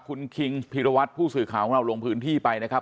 คุณคิงพิรวัตรผู้สื่อข่าวของเราลงพื้นที่ไปนะครับ